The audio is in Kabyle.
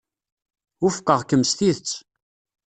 Wufqeɣ-kem s tidet.